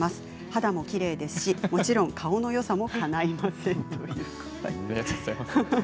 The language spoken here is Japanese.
肌もきれいですしもちろん顔のよさもかないません。」